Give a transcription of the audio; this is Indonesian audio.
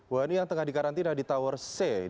wah ini yang tengah dikarantina di tower c dua